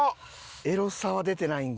エロさは出てないんか。